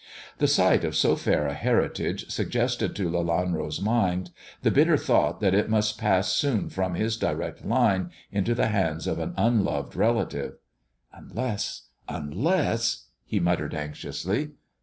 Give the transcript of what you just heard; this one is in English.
The sight of so fair a heritage suggested THE dwarf's chamber 85 to Lelanro's mind the bitter thought that it must pass soon from his direct line into the hands of an unloved relative. " Unless I unless I " he muttered anxiously.